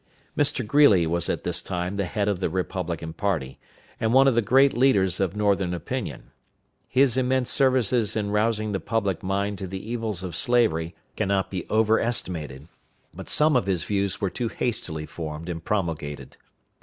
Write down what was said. Mr. Greeley was at this time the head of the Republican party, and one of the great leaders of Northern opinion. His immense services in rousing the public mind to the evils of slavery can not be overestimated, but some of his views were too hastily formed and promulgated.